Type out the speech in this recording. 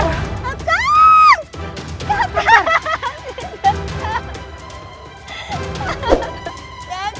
menangkan ke séllec